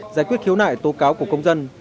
giải quyết khiếu nại tố cáo của công dân